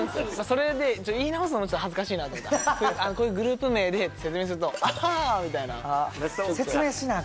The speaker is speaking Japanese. それで言い直すのも恥ずかしいなと思ってこういうグループ名でって説明するとみたいな説明しなあ